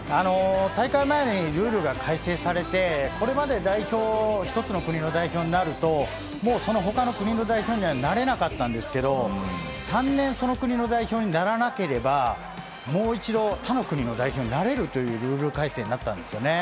大会前にルールが改正されて、これまで代表、１つの国の代表になると、もうそのほかの国の代表にはなれなかったんですけど、３年その国の代表にならなければ、もう一度、他の国の代表になれるというルール改正になったんですよね。